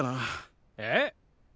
えっ！？